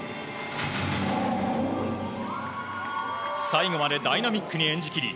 最後までダイナミックに演じ切り